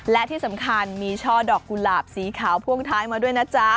และที่สำคัญมีช่อดอกกุหลาบสีขาวพ่วงท้ายมาด้วยนะจ๊ะ